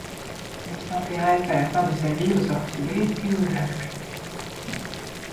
Il s’intéresse à la fin de sa vie aux orchidées et aux algues.